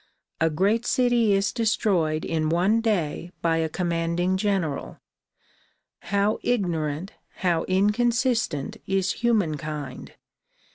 A great city is destroyed in one day by a commanding general. How ignorant, how inconsistent is humankind